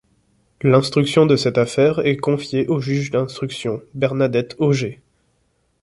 L' instruction de cette affaire est confiée au juge d'instruction Bernadette Augé.